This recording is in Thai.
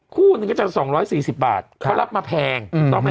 คู่นึงจะสองร้อยสี่สิบบาทครับเขารับมาแพง